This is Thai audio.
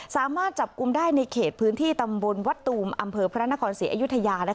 สามารถจับกลุ่มได้ในเขตพื้นที่ตำบลวัดตูมอำเภอพระนครศรีอยุธยา